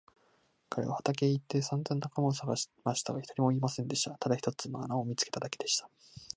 彼は畑へ行ってさんざん仲間をさがしましたが、一人もいませんでした。ただ一つの穴を見つけただけでした。